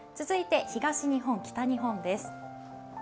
続いて東日本、北日本です。